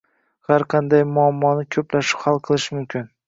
Har qanday muammoni koʻplashib hal qilish mumkin